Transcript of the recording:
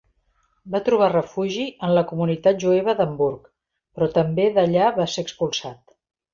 Va trobar refugi en la comunitat jueva d'Hamburg, però també d'allà va ser expulsat.